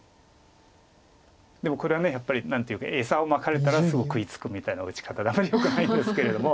でもこれはやっぱり何というか餌をまかれたらすぐ食いつくみたいな打ち方であんまりよくないんですけれども。